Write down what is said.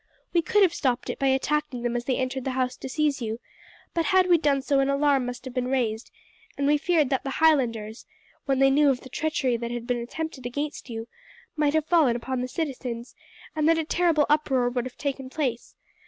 We could have stopped it by attacking them as they entered the house to seize you; but had we done so an alarm must have been raised, and we feared that the Highlanders, when they knew of the treachery that had been attempted against you, might have fallen upon the citizens, and that a terrible uproar would have taken place.